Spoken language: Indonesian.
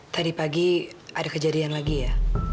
tadi pagi ada kejadian lagi ya